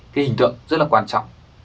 cái hình tượng rất là quan trọng